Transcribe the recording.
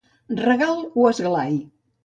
Regal o esglai.